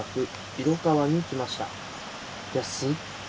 色川に来ました。